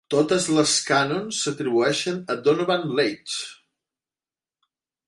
Totes les canons s'atribueixen a Donovan Leitch.